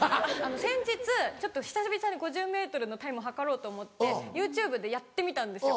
先日久々に５０ｍのタイム測ろうと思ってＹｏｕＴｕｂｅでやってみたんですよ